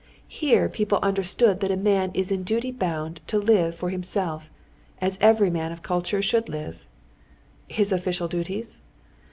Here people understood that a man is in duty bound to live for himself, as every man of culture should live. His official duties?